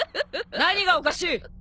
何がおかしい？